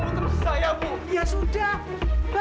ayo bu saya bantu bu ya